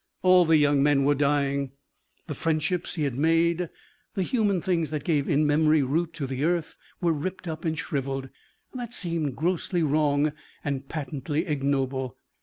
All the young men were dying. The friendships he had made, the human things that gave in memory root to the earth were ripped up and shrivelled. That seemed grossly wrong and patently ignoble.